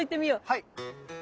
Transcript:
はい。